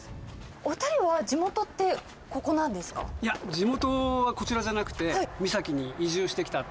お２人は地元って、ここなんいや、地元はこちらじゃなくて、三崎に移住してきた。